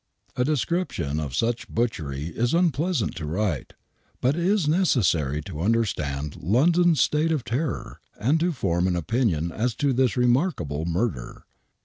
A description of such butchery is unpleasant to write, but is necessary to understand London's state of terror and to form an opinion as to this remarkable murder.